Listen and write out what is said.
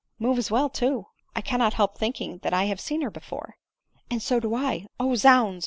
moves well too — I cannot help thinking that I have seen her before." " And so do I. O zounds